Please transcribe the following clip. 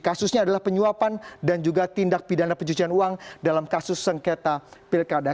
kasusnya adalah penyuapan dan juga tindak pidana pencucian uang dalam kasus sengketa pilkada